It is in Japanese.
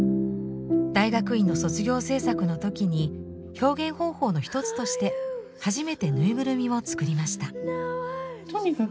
大学院の卒業制作の時に表現方法の一つとして初めてぬいぐるみを作りました。